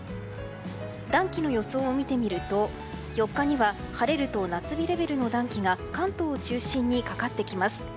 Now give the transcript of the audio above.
暖気の予想を見てみると４日には晴れると夏日レベルの暖気が関東を中心にかかってきます。